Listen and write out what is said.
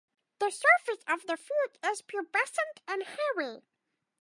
The surface of the fruit is pubescent and hairy.